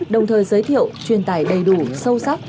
đồng thời giới thiệu truyền tải đầy đủ sâu sắc